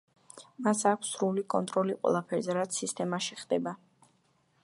მას აქვს სრული კონტროლი ყველაფერზე, რაც სისტემაში ხდება.